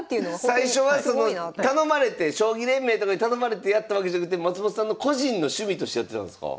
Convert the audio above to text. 最初はその頼まれて将棋連盟とかに頼まれてやったわけじゃなくて松本さんの個人の趣味としてやってるわけですか？